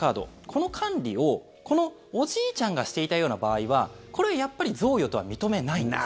この管理をこのおじいちゃんがしていたような場合はこれはやっぱり贈与とは認めないんです。